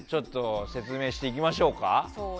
説明していきましょうか。